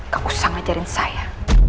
kau usah ngajarin saya